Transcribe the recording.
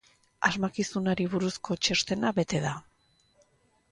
Asmakizunari buruzko txostena bete da.